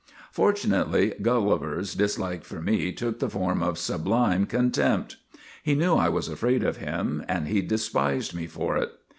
' Fortunately, Gulliver's dislike for me took the form of sublime contempt. He knew I was afraid of him, and he despised me for it.